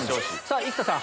生田さん